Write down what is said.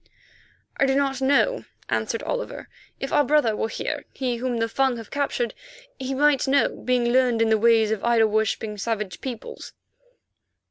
"I do not know," answered Oliver. "If our brother were here, he whom the Fung have captured, he might know, being learned in the ways of idol worshipping, savage peoples."